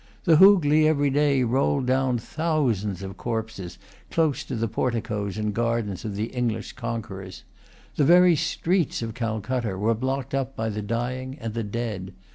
The Hoogley every day rolled down thousands of corpses close to the porticoes and gardens of the English conquerors. The very streets of Calcutta were blocked up by the dying and the dead.